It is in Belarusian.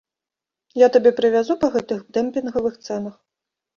Я табе прывязу па гэтых дэмпінгавых цэнах.